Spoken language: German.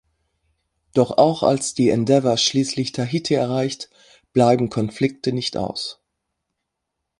Doch auch als die "Endeavour" schließlich Tahiti erreicht, bleiben Konflikte nicht aus.